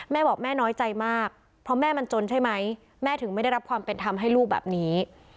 แม่บอกแม่น้อยใจมากเพราะแม่มันจนใช่ไหมแม่ถึงไม่ได้รับความเป็นธรรมให้ลูกแบบนี้